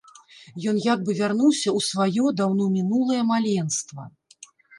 Ён як бы вярнуўся ў сваё, даўно мінулае, маленства.